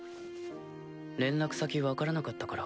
連絡先分からなかったから。